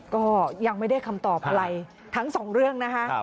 ก็ยังไม่ได้คำตอบอะไรทั้งสองเรื่องนะคะ